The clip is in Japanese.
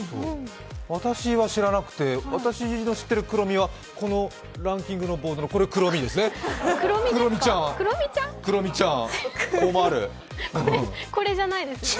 私は知らなくて、私の知っているクロミはこのランキングのボードのこれ、これクロミちゃんですよね。